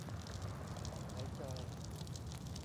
หายใจ